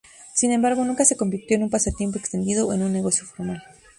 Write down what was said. Sin embargo, nunca se convirtió en un pasatiempo extendido o en un negocio formal.